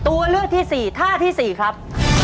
ตัวเลือกที่๔ท่าที่๔ครับ